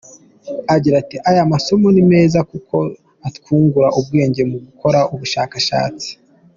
Agira ati “Aya masomo ni meza kuko atwungura ubwenge mu gukora ubushakashatsi.